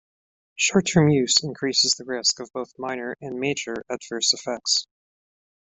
Short-term use increases the risk of both minor and major adverse effects.